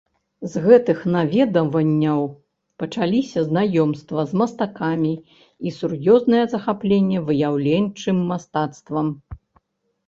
З гэтых наведванняў пачаліся знаёмства з мастакамі і сур'ёзнае захапленне выяўленчым мастацтвам.